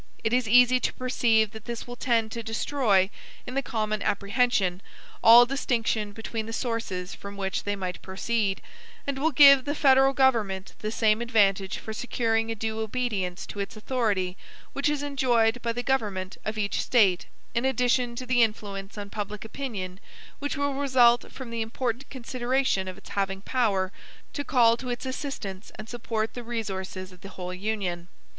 It is easy to perceive that this will tend to destroy, in the common apprehension, all distinction between the sources from which they might proceed; and will give the federal government the same advantage for securing a due obedience to its authority which is enjoyed by the government of each State, in addition to the influence on public opinion which will result from the important consideration of its having power to call to its assistance and support the resources of the whole Union.